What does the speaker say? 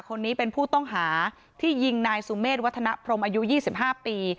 คนนี้เป็นผู้ต้องหาที่ยิงนายสุเมฆวัฒนพรมอายุ๒๕ปี